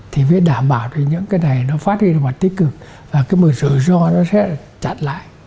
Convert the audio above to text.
thì mới đảm bảo những cái này nó phát hiện ra mặt tích cực và cái rủi ro nó sẽ chặt lại